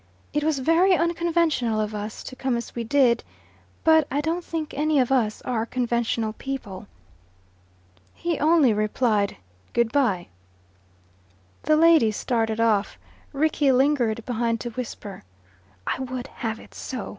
"It was very unconventional of us to come as we did, but I don't think any of us are conventional people." He only replied, "Good bye." The ladies started off. Rickie lingered behind to whisper, "I would have it so.